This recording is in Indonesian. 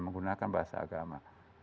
menggunakan bahasa agama